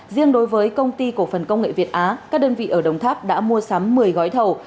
riêng đối với công ty cổ phần công nghệ việt á các đơn vị ở đồng tháp đã mua sắm một mươi gói thầu